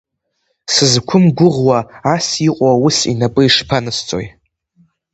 Сызқәымгәыӷуа ас иҟоу аус инапы ишԥанысҵои!